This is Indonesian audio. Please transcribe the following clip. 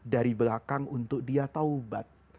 dari belakang untuk dia taubat